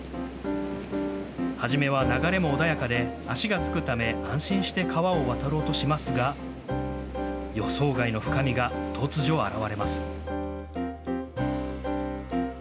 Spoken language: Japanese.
初めは流れも穏やかで足が着くため安心して川を渡ろうとしますが予想外の深みが突如、現れます。